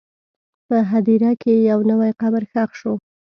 په هدیره کې یو نوی قبر ښخ شو.